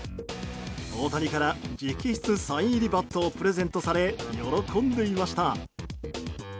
大谷から直筆サイン入りバットをプレゼントされ喜んでいました。